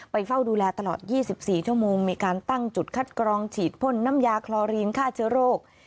เฝ้าดูแลตลอด๒๔ชั่วโมงมีการตั้งจุดคัดกรองฉีดพ่นน้ำยาคลอรีนฆ่าเชื้อโรค